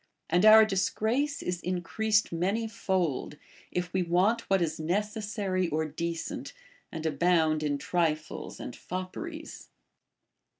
* And our disgrace is increased many fold, if Ave want what is necessary or decent, and abound in trifles and fopperies.